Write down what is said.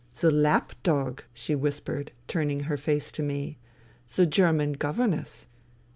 " The lap dog ..." she whispered, turning her face to me. " The German governess.